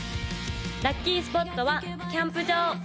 ・ラッキースポットはキャンプ場